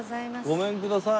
ごめんください。